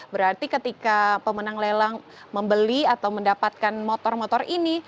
berarti ketika pemenang lelang membeli atau mendapatkan motor motor ini